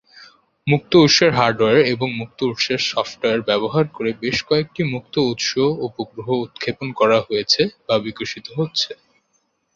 মুক্ত উৎসের হার্ডওয়্যার এবং মুক্ত উৎসের সফ্টওয়্যার ব্যবহার করে বেশ কয়েকটি মুক্ত উৎস উপগ্রহ উৎক্ষেপণ করা হয়েছে বা বিকশিত হচ্ছে।